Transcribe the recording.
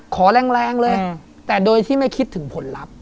แรงเลยแต่โดยที่ไม่คิดถึงผลลัพธ์